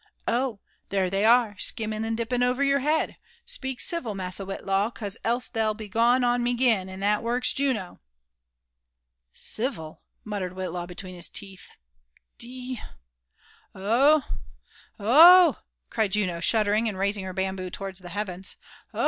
Oh! there they are, skimming and dipping over your head. Speak civil, Massa Whitlaw, 'cause else they'll b^ on me 'gen, and that works Juno." .." Civil 1" muttered Whitlaw between his teeth. '* D ".'* Oh .. .hi Oh .. .hi" cried Juno, shuddering, and raising her bamboo towards the heavens, '< Oh